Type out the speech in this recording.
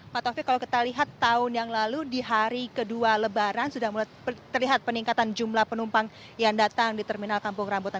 pak taufik kalau kita lihat tahun yang lalu di hari kedua lebaran sudah mulai terlihat peningkatan jumlah penumpang yang datang di terminal kampung rambutan